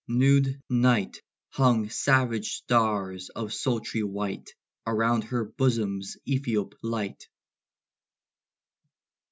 Nude night Hung savage stars of sultry white Around her bosom's Ethiop light. Night!